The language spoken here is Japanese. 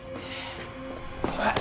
おい。